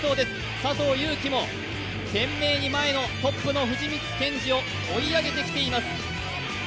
佐藤悠基も懸命に前の、トップの藤光謙司を追い上げてきています。